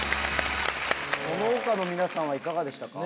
その他の皆さんはいかがでしたか？